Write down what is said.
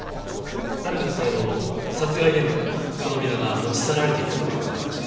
ある女性の殺害現場からこのビラが持ち去られていた事がわかりまして。